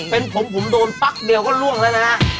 เป็นผมผมโดนปั๊กเดียวก็ล่วงแล้วนะฮะ